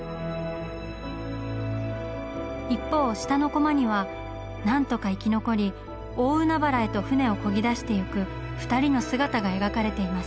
一方下のコマには何とか生き残り大海原へと舟をこぎ出してゆく二人の姿が描かれています。